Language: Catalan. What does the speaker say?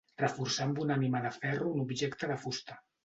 Reforçar amb una ànima de ferro un objecte de fusta.